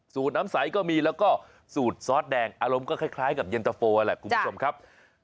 น้ำใสก็มีแล้วก็สูตรซอสแดงอารมณ์ก็คล้ายกับเย็นตะโฟแหละคุณผู้ชมครับ